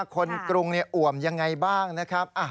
คนกรุงอว่ำอย่างไรบ้างนะครับ